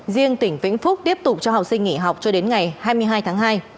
riêng tỉnh vĩnh phúc tiếp tục cho học sinh nghỉ học cho đến ngày hai mươi hai tháng hai